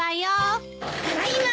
・ただいま。